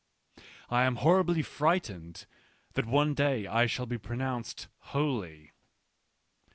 I am horribly frightened that one day I shall be pronounced " holy."